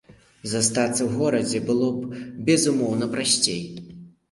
Застацца ў горадзе было б, безумоўна, прасцей.